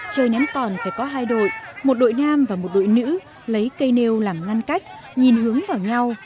chơi ném còn phải có hai đội một đội nam và một đội nữ lấy cây nêu làm ngăn cách nhìn hướng vào nhau